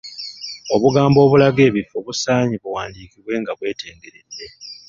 Obugambo obulaga ebifo busaanye buwandiikibwe nga bwetengeredde.